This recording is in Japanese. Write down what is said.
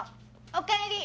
おかえり。